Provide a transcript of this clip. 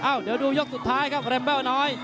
อ้าวเดี๋ยวดูยกสุดท้ายครับเร็มแบ้วน้อย